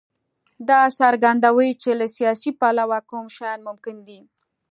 دا څرګندوي چې له سیاسي پلوه کوم شیان ممکن دي.